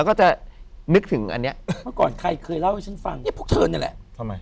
ใครเคยเล่าให้ฉันฟังพวกเธอนี่แหละ